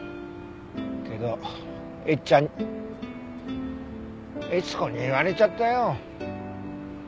けどえっちゃん恵津子に言われちゃったよ。